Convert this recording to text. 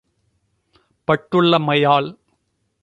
பட்டுள்ளமை யால்